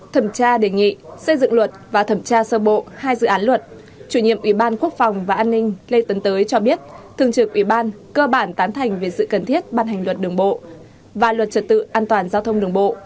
thẩm tra đề nghị xây dựng luật và thẩm tra sơ bộ hai dự án luật chủ nhiệm ủy ban quốc phòng và an ninh lê tấn tới cho biết thường trực ủy ban cơ bản tán thành về sự cần thiết ban hành luật đường bộ và luật trật tự an toàn giao thông đường bộ